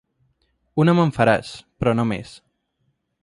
Una me'n faràs, però no més.